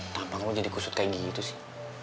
tampang lo jadi kusut kayak gitu sih